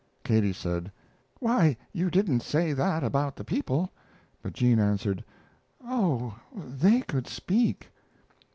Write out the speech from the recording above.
Katie said: "Why, you didn't say that about the people!" But Jean answered: "Oh, they could speak."